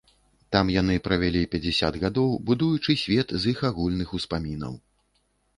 Там яны правялі пяцьдзясят гадоў, будуючы свет з іх агульных успамінаў.